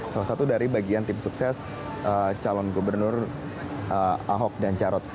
salah satu dari bagian tim sukses calon gubernur ahok dan jarot